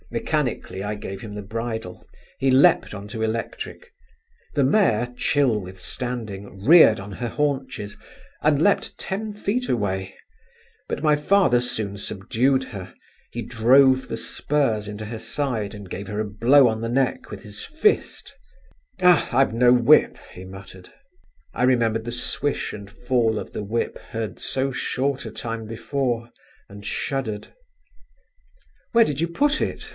Mechanically I gave him the bridle. He leaped on to Electric … the mare, chill with standing, reared on her haunches, and leaped ten feet away … but my father soon subdued her; he drove the spurs into her sides, and gave her a blow on the neck with his fist…. "Ah, I've no whip," he muttered. I remembered the swish and fall of the whip, heard so short a time before, and shuddered. "Where did you put it?"